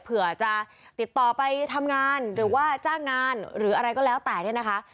เผื่อจะติดต่อไปทำงานหรือว่าจ้างงานหรืออะไรก็แล้วแต่เนี่ยนะคะ